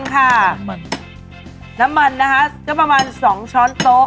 น้ำมันน้ำมันนะคะก็ประมาณ๒ช้อนโต๊ะ